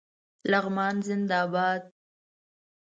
لغمان زنده باد